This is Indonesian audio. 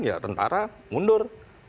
ya tentara mundur